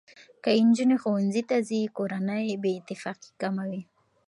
که نجونې ښوونځي ته ځي، کورنۍ بې اتفاقي کمه وي.